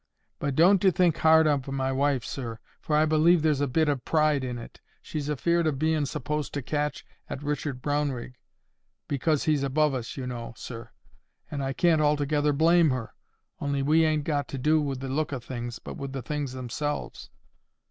But don't 'e think hard of my wife, sir, for I believe there's a bit of pride in it. She's afeard of bein' supposed to catch at Richard Brownrigg, because he's above us, you know, sir. And I can't altogether blame her, only we ain't got to do with the look o' things, but with the things themselves."